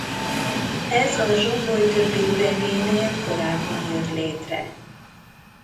Ez a zsomboly többi üregénél korábban jött létre.